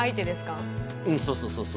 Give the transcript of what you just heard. うん、そうそうそう。